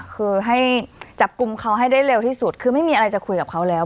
คือให้จับกลุ่มเขาให้ได้เร็วที่สุดคือไม่มีอะไรจะคุยกับเขาแล้ว